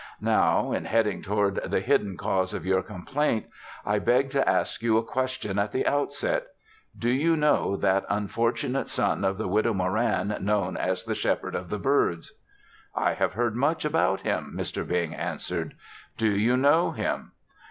Now, in heading toward the hidden cause of your complaint, I beg to ask you a question at the outset. Do you know that unfortunate son of the Widow Moran known as the Shepherd of the Birds?" "I have heard much about him," Mr. Bing answered. "Do you know him?"